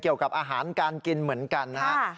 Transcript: เกี่ยวกับอาหารการกินเหมือนกันนะครับ